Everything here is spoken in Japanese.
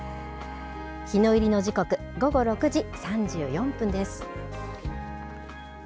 日の入りの時刻、午後６時３４分です。